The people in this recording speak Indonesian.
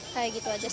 kayak gitu aja sih